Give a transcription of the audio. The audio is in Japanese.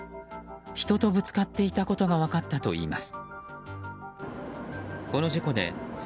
人とぶつかっていたことが分かったといいます。